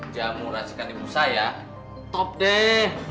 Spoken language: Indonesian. jamu rasikan ibu saya top deh